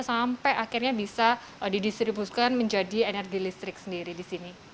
sampai akhirnya bisa didistribusikan menjadi energi listrik sendiri di sini